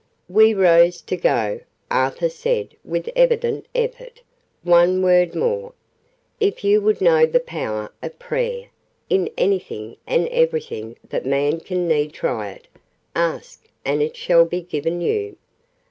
We rose to go. Arthur said, with evident effort, "One word more. If you would know the power of Prayer in anything and everything that Man can need try it. Ask, and it shall be given you.